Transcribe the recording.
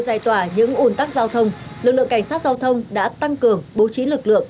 giải tỏa những ồn tắc giao thông lực lượng cảnh sát giao thông đã tăng cường bố trí lực lượng